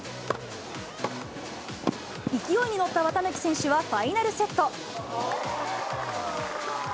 勢いに乗った綿貫選手はファイナルセット。